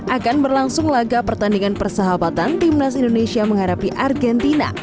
akan berlangsung laga pertandingan persahabatan timnas indonesia menghadapi argentina